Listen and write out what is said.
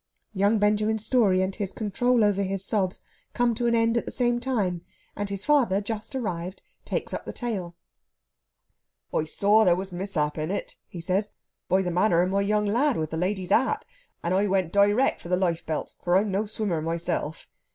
Young Benjamin's story and his control over his sobs come to an end at the same time, and his father, just arrived, takes up the tale. "I saw there was mishap in it," he says, "by the manner of my young lad with the lady's hat, and I went direct for the life belt, for I'm no swimmer myself.